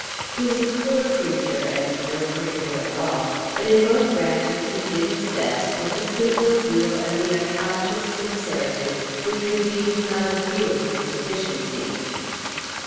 He was a poor preacher and no cricketer at all; but in both branches he did his best, with the simple zeal and the unconscious sincerity which redeemed not a few of his deficiencies.